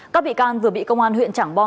các bị can vừa bị công an huyện trảng bom